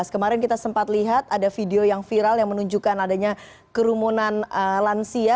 kemarin kita sempat lihat ada video yang viral yang menunjukkan adanya kerumunan lansia